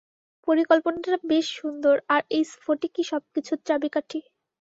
পরিকল্পনাটা বেশ সুন্দর, আর, এই স্ফটিকই সবকিছুর চাবিকাঠি।